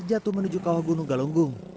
jatuh menuju kawah gunung galunggung